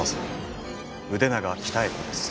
腕長鍛子です。